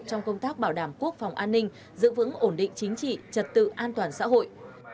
trong công tác bảo đảm quốc phòng an ninh giữ vững ổn định chính trị trật tự an toàn xã hội